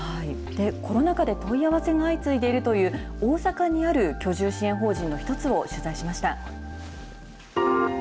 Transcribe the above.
コロナ禍で問い合わせが相次いでいるという、大阪にある居住支援法人の一つを取材しました。